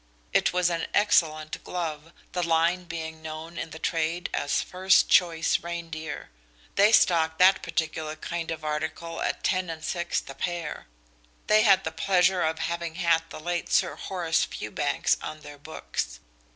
It was an excellent glove, the line being known in the trade as "first choice reindeer." They stocked that particular kind of article at 10/6 the pair. They had the pleasure of having had the late Sir Horace Fewbanks on their books.